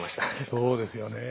そうですよね。